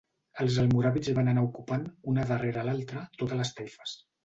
Els Almoràvits van anar ocupant, una darrere altra, totes les taifes.